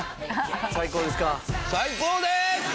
最高ですか？